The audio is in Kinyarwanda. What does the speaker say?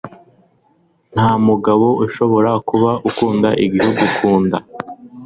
Nta mugabo ushobora kuba ukunda igihugu ku nda.